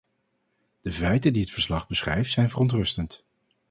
De feiten die het verslag beschrijft, zijn verontrustend.